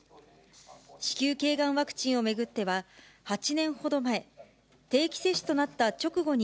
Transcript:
子宮けいがんワクチンを巡っては、８年ほど前、定期接種となった直後に、